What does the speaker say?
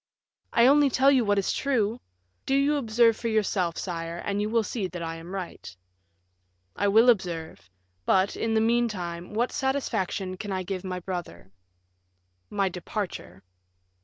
"I only tell you what is true. Do you observe for yourself, sire, and you will see that I am right." "I will observe; but, in the meantime, what satisfaction can I give my brother?" "My departure."